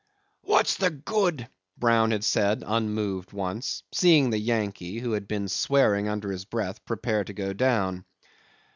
'"What's the good?" Brown had said unmoved once, seeing the Yankee, who had been swearing under his breath, prepare to go down.